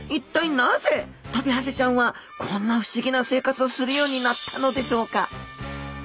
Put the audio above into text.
なぜトビハゼちゃんはこんな不思議な生活をするようになったのでしょうか？